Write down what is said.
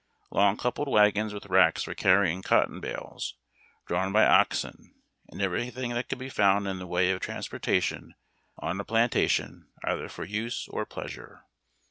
long coupled wagons with racks for carrying cotton bales, drawn by oxen, and everything that could be found in the way of transportation on a plantation, either for use or pleasure."